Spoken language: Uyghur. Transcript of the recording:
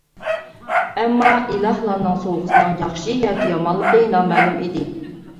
ئەمما ئىلاھلارنىڭ سوۋغىسىنىڭ ياخشى ياكى يامانلىقى نامەلۇم ئىدى.